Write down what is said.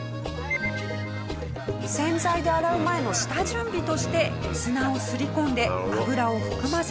洗剤で洗う前の下準備として砂をすり込んで油を含ませます。